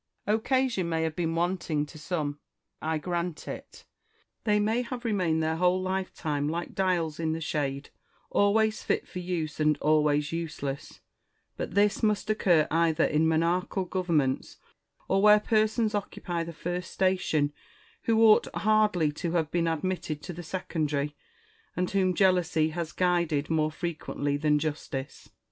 Occasion may have been wanting to some ; I grant it. They may have remained their whole lifetime like dials in the shade, always fit for use and always useless ; but this must occur either in monarchal governments, or where persons occupy the first station who ought hardly to have been admitted to the secondary, and whom jealousy has guided more frequently than justice.